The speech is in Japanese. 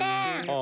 あ。